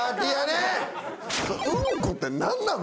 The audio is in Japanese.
うんこって何なん？